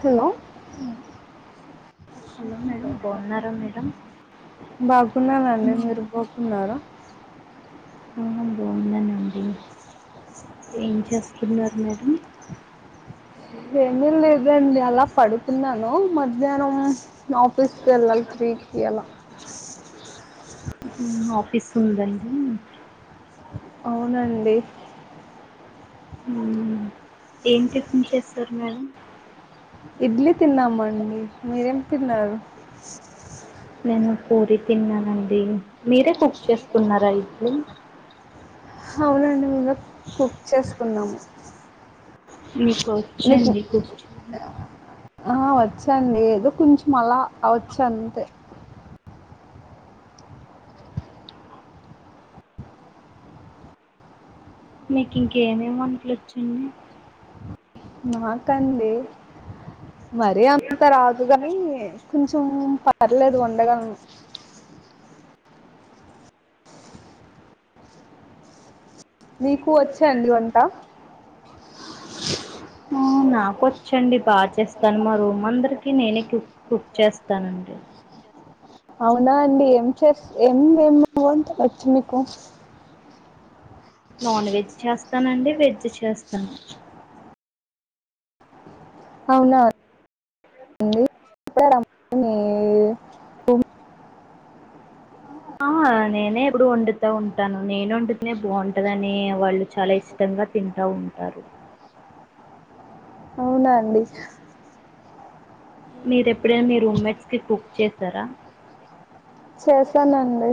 Hello hello madam బగున్నరా madam బాగున్నానండి మీరు బాగున్నార ఆ బాగున్ననండి ఏం చేస్తున్నారు మేడం ఏమి లేదండి అలా పడు తిన్నాను మధ్యాహ్నం ఆఫీస్కి వెళ్ళాలి త్రీకి అలా ఆ ఆఫీసుందండి ఔనండి హుమ్ ఏం టిఫిన్ చేస్తారు మేడం ఇడ్లీ తిన్నామండి మీరేం తిన్నారు నేను పూరి తిన్నానండి మీరే కుక్ చేసుకున్నారా ఇడ్లి అవునండి మీమే కుక్ చేసుకున్నాము మీకు మీకోచ్చండి కూక్కింగ్ ఆ ఓచ్చాండి ఏదో కొంచెం అలా ఓచ్చాంతే మీకింకేమేమి వంట్లోచ్చండి నాకండి మరీ అంత రాదు కాని కొంచెం పర్లేదు ఓండడం మీకు ఒచ్చాండి వంట మ్ నాకొచ్చండి బాగా చేస్తాను మా రూమందరికి నేనే కు-కుక్ చేస్తానండి అవునా అండి ఏంచే ఏం ఏం వంటలోచ్చు మీకు నాన్వెజ్ చేస్తానండి వెజ్ చేస్తాను అవునాండి [unintelligible] ఆ నేనే ఎప్పుడు వండుతా ఉంటాను నేను వండుతనే బాగుంటదని వాళ్ళు చాలా ఇష్టంగా తింటా ఉంటారు ఔనా అండి మీరేప్పుడైనా మీ రూమ్మేట్స్కి కుక్ చేసారా చేసానండి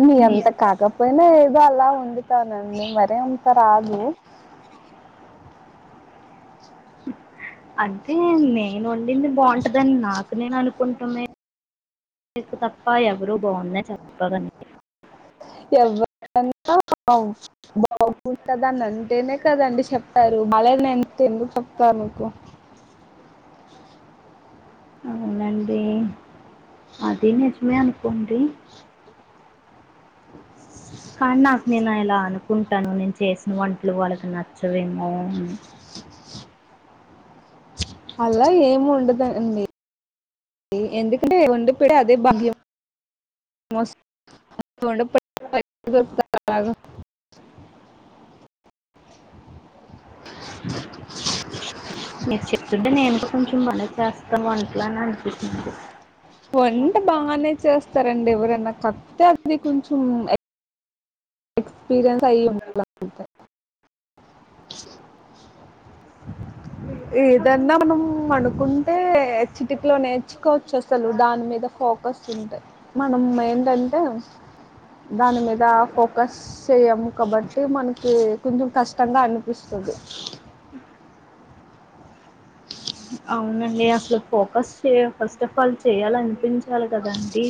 మీఅంత మీరు కాకపోయినా ఏదో అలా వోండుతానండి మరి అంత కాదు అంటే నేనోండింది బాగుంటదని నాకు నేను అనుకుంటునే నికు తప్ప ఎవరూ బాగుందని చేప్పదండి ఎవ్వరన్నా బాగ్ బాగుందని అంటేనే కదండి చెప్తారు బలేదాని అంటే ఎందుకు చెప్తరు మీకు ఔనండి అది నిజమే అనుకోండి అలా అనుకుంటాను నేను చేసిన వోంటలు వాళ్ళకి నచ్చవేమొ అల ఏముండదం డి ఎందుకంటే వండిపెడుతే అదే భాగ్యం [inaudible] చుంటే నిను కూడ కొంచెం బనే చేస్తా వంట్లని అనిపించింది వంట బానే చేస్తారండి ఎవరైనా కాకపోతే అది కొంచెం ఎక్స్పీరియన్స్ అయి [unintelligible] అంతే ఏదన్నా మనం అనుకుంటే చిటిక్లో నేర్చుకోచ్చు అసలు దాన్ మీద ఫోకస్ ఉంటది మనం ఏంటంటే దాని మీద ఫోకస్ చేయము కాబట్టి మనకి కొంచం కష్టంగా అనిపిస్త ది అవునండి అసలు ఫోకస్ చె ఫస్ట్ ఆఫ్ ఆల్ చేయాలనిపించాలి కదాండి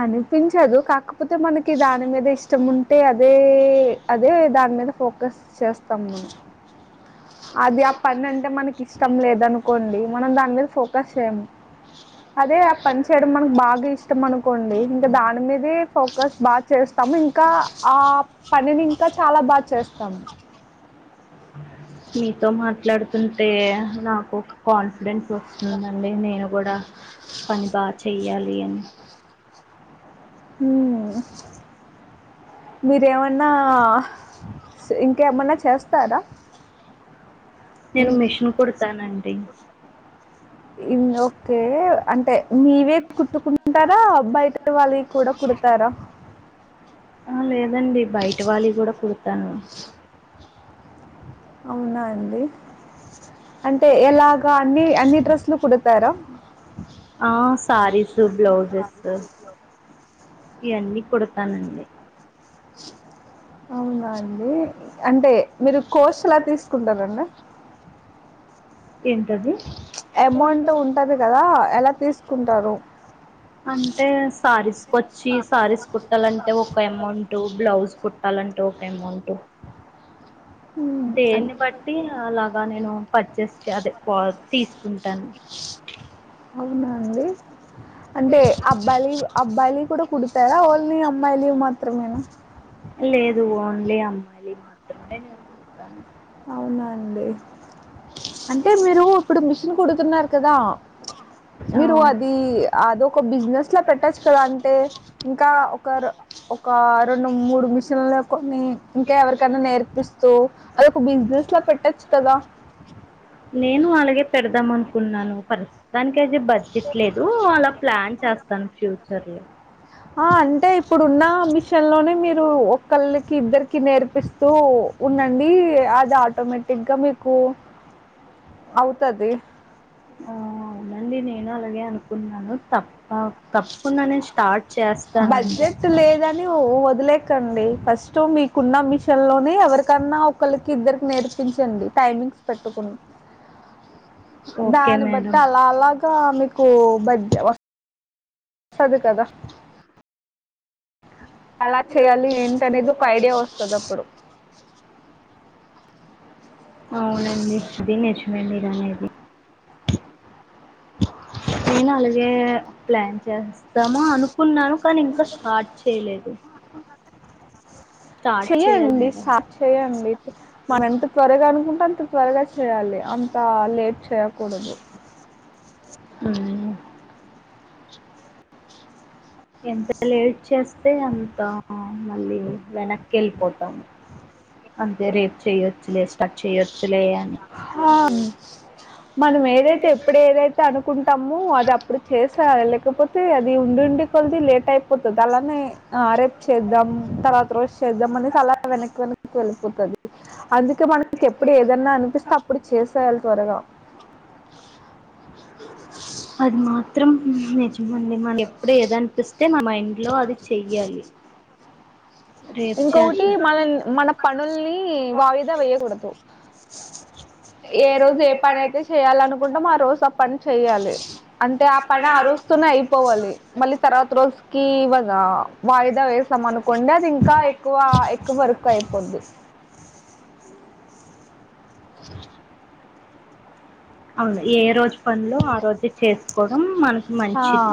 అనిపించదు కాకపోతే మనకి దాని మీద ఇష్టం ఉంటే అదే అదే ద దాన్ మీద ఫోకస్ చేస్తాం మనం అది ఆ పనంటే మనకి ఇష్టం లేదనుకోండి మనం దాన్ మీద ఫోకస్ చేయము అదే ఆ పన్ చేయడం మనక్ బాగా ఇష్టం అనుకోండి ఇంకా దాన్ మీదే ఫోకస్ బా చేస్ తం ఇంకా ఆ పనిని ఇంకా చాలా బాగ చేస్తామ్ మీతో మాట్లాడుతుంటే నాకు ఒక కాన్ఫిడెన్స్ వస్తుందండి నేను గూడా పని బా చెయ్యాలి అని హు మ్ మీరేమన్నా ఇంకేమన్నా చేస్తారా ఇం నేను మిషన్ కుడతానండి ఇం ఓకే అంటే మీవే కుట్టుకుంటారా బయట వాళ్ళై కూడా కు డుతారా ఆ లేదండి బయట వాళ్ళై గూడా కుడుతాను అవునా అండి అంటే ఎలాగా అన్ని అన్ని డ్రెస్లు కూడ్ తార ఆ సారీసు బ్లౌజేసు ఇయన్నీ కుడతానండి అవునా అండి అంటే మీరు కోస్లా తీసుకుంటారండి ఎంటది అమౌంట్ ఉంటది కదా ఎలా తీస్కుంటారు అంటే సారీస్కోచ్చి సారీస్ కుట్టాలంటే ఒక అమౌంట్ బ్లౌజ్ కుట్ ట్టలంటే ఓక ఎమౌంటు హ్మ్ అన్ దేన్ని బట్టి అలాగా నేను పర్చేస్ అదే క్వా తీస్కుంటాను అవునా అండి అంటే అబ్బాయిలయి అబ్బాయిలయి కూడా కుడుతారా ఓన్లీ అమ్మాయిలయి మాత్రమేనా లేదు ఓన్లీ అమ్మాయిలయి మాత్రమే నేన్ కుడుతను అవునా అండి అంటే మీరు ఇప్పుడు మిషిన్ కుడుతున్నారు కదా మీరు ఆ అది అదోక బిజినెస్ ల పెట్టచ్చు కదా అంటే ఇంకా ఒకర ఒక రెండు మూడు మిషన్లు కొని ఇంకా ఎవరికైనా నేర్పిస్తూ అదోక బిజినెస్ ల పెట్టచ్చు కదా నేను అలాగే పెడుదాం అనుకున్నాను ప్రస్తుతానికైతే బడ్జెట్ లేదు అలా ప్లాన్ చె స్తాన్ ఫ్యూచర్ లో ఆ అంటే ఇప్పుడున్న మెషిన్ లో ఒకళ్ళకి ఇద్దరికి నేర్పిస్తూ ఉండండి అది ఆటోమేటిక్ గా మీకు అవుతది. ఆ అవునండి ని నేను అలాగే అనుకున్నాను తప్ప తప్ బడ్జెట్ లేదని వదిలేకండి ఫస్ట్ మీకున్న మెషిన్ లోనే ఎవరికన్నా ఒకొళకి ఇద్దరికి నేర్పించండి. టైమింగ్స్ పెట్టుకుని ఓకే దాన్ని బట్టి మేడం అలా అలాగా మీకు బజ్ వస్ స్తది కదా అలా చేయాలి ఏంటనేది ఒక ఐడియా ఒస్తదప్పుడు అవునండి అదీ నేర్చుమే అండి మీరనేది నేను అల్గే ప్లాన్ చేస్తామ అనుక్ కున్నాను కానీ ఇంకా స్టార్ట్ చేయలేదు. స్టార్ట్ చేయాలి చెయ్యండి మేడం సార్ట్ చెయ్యండి మనెంత త్వరగా అనుకుంటే అంత త్వరగా చేయాలి అంతా లేట్ చేయకూడదు. ఉమ్ ఎంత లేట్ చేస్తే అంత మళ్ళీ వెనక్కెళ్ళిపోతం. అంతే రేపు చెయొచ్చులే స్టట్ చేయచ్చులే హా మనం ఏదైతే ఎప్పుడు ఏదైతే అనుకుంటామో అది అప్పుడు చేసాలె లేకపోతే తే అది ఉండి ఉండి కొల్ది లేట్ అయిపోతది అలానే ఆ రేప్ చేద్దాం తర్వాత రోజు చేద్దాం అనేసి అలా గనుకొని వెళ్ళిపోతది అందుకే మనకి ఎప్పుడు ఏదన్నా అనిపిస్ డ్ అప్పుడు చేసేయాలి త్వరగా అది మాత్రం నిజమండి మనెప్పుడేదం పిస్తే మా మైండ్లో అది చెయ్యాలి రేపు ఇంకొకటి చేద్దాం మనల్ మన పనుల్ని వాయిదా వెయ్యగూడదు. ఏ రోజు ఏ పనైతే చేయాలనుకుంటమో ఆ రోజు ఆ పని చెయ్యాలి. అంటే ఆ పని ఆ రోజుతోనే అయిపోవాలి. మళ్ళీ తర్వాత రోజుకి ఇగా వాయిదా వేసిన అనకోండి అది ఇంకా ఎక్కువ ఎక్కువ వరకు అయిపోద్ది. అవున్ ఏ రోజు పనులు ఆ రోజే చేసుకోడం మనకు ఆ మంచిది.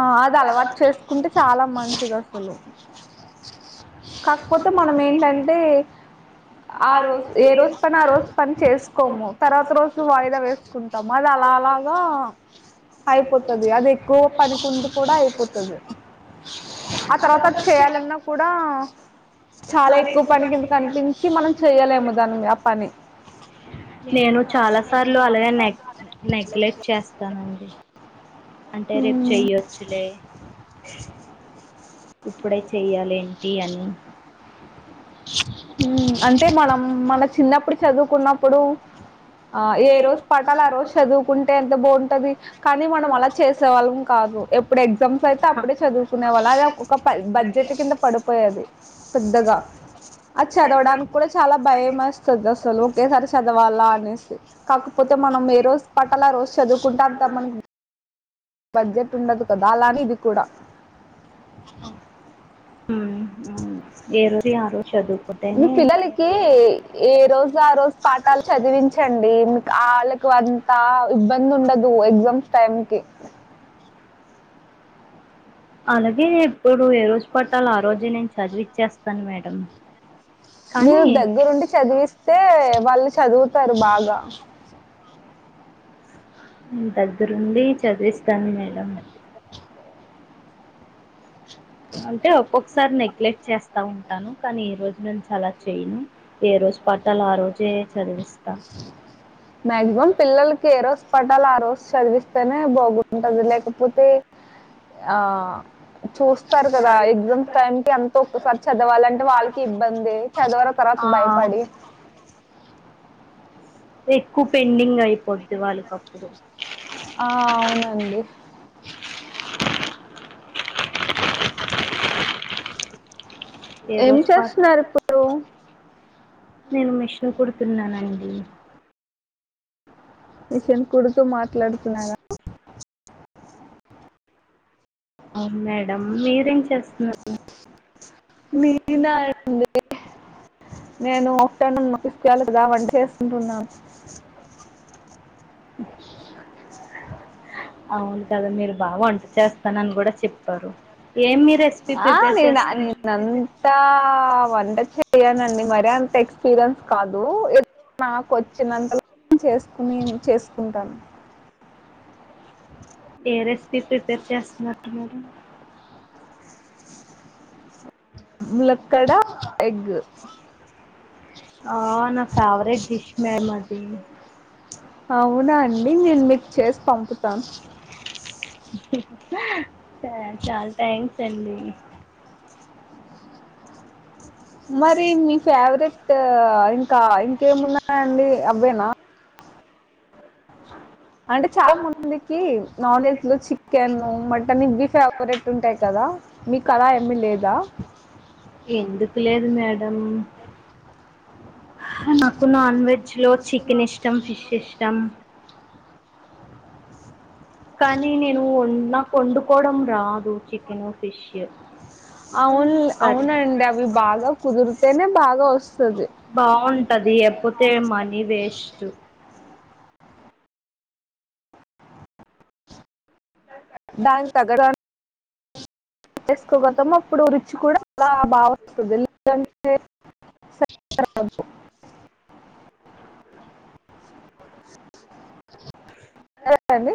ఆ అది అలవాటు చేసుకుంటే చాలా మంచిది అసలు కాకపోతే మనం ఏంటంటే ఆ రోజు ఏ రోజు పని ఆ రోజు పని చేసుకోము. తర్వాత రోజు వాయిదా వేసుకుంటాము. అద లాలా అయిపోతది అది ఎక్కువ పనికింది కూడా అయిపోతది. ఆ తర్వాత చేయాలన్నా కూడా చాలా ఎక్కువ పని కిందికనిపించి మనం చెయ్యలేము దానిని ఆ పని నేను చాలా సార్లు అలాగే నెగ్ నెగ్లెక్ట్ చేస్తానండి. అంటే రేపు ఉమ్ చెయ్యొచ్చులే ఇప్పుడే చెయ్యాలేంటి అన్నీ హుమ్ అంటే మనం మన చిన్నప్పుడు చదువుకున్నప్పుడు ఆ ఏ రోజు పాటాలు ఆ రోజు చదువుకుంటే ఎంత బావుంటది కానీ, మనం అలా చేసేవాళ్ళం కా ఎప్పుడ్ ఎగ్జామ్స్ ఐతే అప్పుడే చదువుకునే వాల్ అదే ఒక బడ్జెట్ కింద పడిపోయేది. డగా అది చదవడానికి కూడా చాలా భయమేస్తది అసలు ఒకేసారి చదవాలా అని కాకపోతే మనం ఏ రోజు పాటాల్ ఆ రోజు చదువుకుంటా అంత మనకి బడ్జెట్ ఉండదు కదా అలానే ఇది కూడా ఉ ఏ రోజుయ్ ఆ రోజు చదువ్ మీ పిల్లలికి ఏ రోజు ఆ రోజు పాఠాలు చదివించండి. మీకు ఆ అంతా ఇబ్బంది ఉండదు ఎగ్జామ్స్ టైమ్ కీ అలాగే ఇప్పుడు ఏ రోజు పాఠల్ ఆ రోజే నేను చదివిచ్చేస్తాను మేడం. నువు కానీ దగ్గరుండి చదివిస్తే వాళ్ళు చదువుతారు బాగా దగ్గరుండి చదివిస్తాను మేడం అంటే ఒక్కొక్కసారి నెగ్లెక్ట్ చేస్తా ఉంటాను కానీ, ఈ రోజు నుంచి అలా చేయను. ఏ రోజు పాఠాల్ ఆ రోజే చదివిస్తా మ్యాక్సిమమ్ పిల్లలకి ఏ రోజు. పెట్టాలా ఆ రోజు చదివిస్తేనే బాగుంటది లేకపోతే ఆహ్. చూస్తారు కదా ఎగ్జామ్స్ టైం కి అంత ఒక్కసారి చదవాలంటే వాళ్ళకి ఇబ్బందే చదవారు. ఆ [unintelligible] భయపడి. ఎక్కువ పెండింగ్ అయిపోద్ది వాళ్ళకప్పుడు. ఆహ్ అవునండి. ఏ ఏం రోజు పాటు చేస్తున్నారు ఇప్పుడు. నేను మిషన్ కుడుతున్నానండి. మిషిన్ కుడుతూ మాట్లాడుతున్నార. అవును మేడం మీరేం చేస్తున్నారు. నేనా అండి నేను ఆఫ్టేర్నూన్ మకిస్తకయాలి కదా వంట చేస్కుంటున్నాను. అవును కదా మీరు. బాగా వంట చేస్తానని కూడా చెప్పారు ఏమి రెసిపీ ప్రిపేర్ చేస్తున్నారు. అంతా వంట చేయనండి మరి అంత ఎక్స్పీరియన్స్ కాదు. నాకొచ్చినంతల చేసుకొనిం చేసుకుంటాను. ఏ రేసీపీ ప్రిపేర్ చేస్తున్నారు మేడం. ములకడా ఎగ్. ఆహ్ నా ఫేవరెట్ డిష్ మేడం అది. అవునా అండి నేను మీకు చేసి పంపుతాను. చాలా థాంక్స్ అండి. మరి మీ ఫేవరెట్ ఇంకా ఇంకేమున్నాయండి అవ్వేనా. అంటే చాలా మందికి నాన్ వెజ్ లో చికెన్ మటన్ ఇవి ఫేవరెట్ ఉంటాయి కదా. కదా మీకు అలా ఏమి లేదా. ఎందుకు లేదు మేడం. నాకు నాన్ వెజ్ లో చికెన్ ఇష్టం ఫిష్ ఇష్టం. కానీ నేను అవును. వం- నాకు వండుకోవడం రాదు చికెన్ ఫిష్ అవును సరే అవునండి అవి బాగా కుదురుతేనే బాగా వస్తది. బావుంటాది అప్పుడుకే మనీ వేస్ట్. బ్యాంక్ తగ్గడానికి. చేసుకోగతాము అప్పుడు రుచి కూడా చాలా బాగా వస్తుంది లేదంటే. ఏం అండి.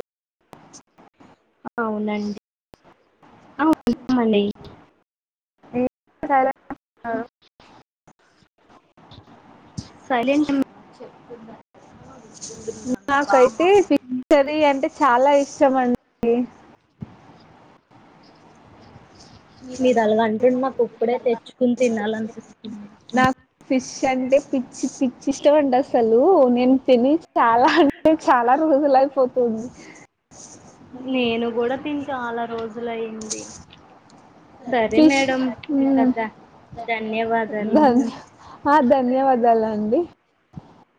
అవునుఅండీ ఆహ్ అవునండి. హలో. సైలెంట్ ఉన్. నాకైతే బామా ఫిష్ కర్రీ అంటే చాలా ఇష్టం. ఇష్టం అండి. మీరు అలాగ అంటుంటే నాకు ఇప్పుడే తెచ్చుకుని తినాలినిపిస్తుంది. నాక్. ఫిష్ అంటే పిచ్చి పిచ్చి ఇష్టం అండి అసలు నేను తిని చాలా అంటే చాలా. రోజులు అయిపోతుంది. నేను కూడా తిని చాలా రోజులైయింది. ఫిష్ ఉమ్. ధన్యవాదాలు ఆహ్ ధన్యవాదాలు అండి.